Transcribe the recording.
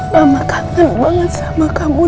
lama kangen banget sama kamu